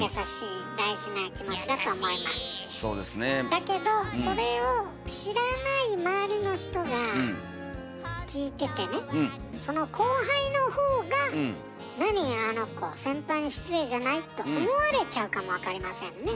だけどそれを知らない周りの人が聞いててねその後輩のほうが「なにあの子先輩に失礼じゃない？」と思われちゃうかもわかりませんね。